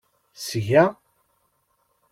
Seg-a.